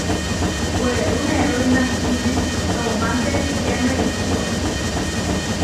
Werú nerói nahkíne toománte ečitiáme ičió.